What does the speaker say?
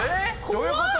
どういうこと？